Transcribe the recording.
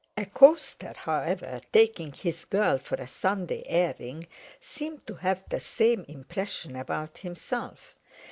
A coster, however, taking his girl for a Sunday airing, seemed to have the same impression about himself.